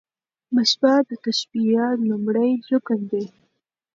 مشبه د تشبېه لومړی رکن دﺉ.